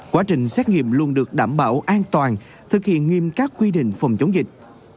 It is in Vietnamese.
quá trình xét nghiệm luôn được đảm bảo an toàn thực hiện nghiêm các quy định phòng chống dịch